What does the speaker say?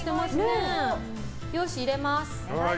よし、入れます。